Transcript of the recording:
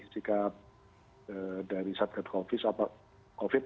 jika dari satgas covid